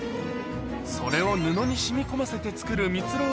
それを布に染み込ませて作るみつろう